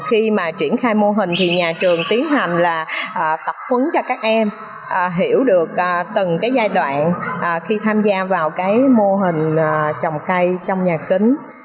khi mà triển khai mô hình thì nhà trường tiến hành là tập phấn cho các em hiểu được từng cái giai đoạn khi tham gia vào cái mô hình trồng cây trong nhà kính